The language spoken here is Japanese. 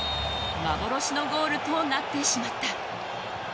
幻のゴールとなってしまった。